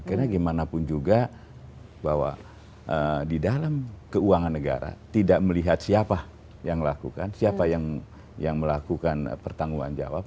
karena gimana pun juga bahwa di dalam keuangan negara tidak melihat siapa yang melakukan pertanggungan jawab